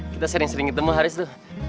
kita sering sering ketemu haris tuh